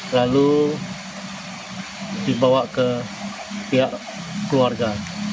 lalu dibawa ke pihak keluarga